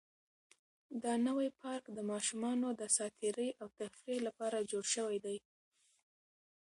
دا نوی پارک د ماشومانو د ساتیرۍ او تفریح لپاره جوړ شوی دی.